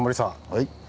はい？